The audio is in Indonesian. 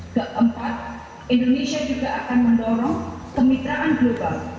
keempat indonesia juga akan mendorong kemitraan global